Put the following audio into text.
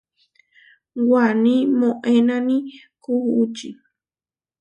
Waní moʼénani kuʼúči.